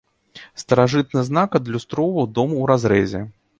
Старажытны знак адлюстроўваў дом у разрэзе.